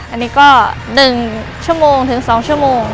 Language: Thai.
อันนี้ก็๑ชั่วโมงถึง๒ชั่วโมง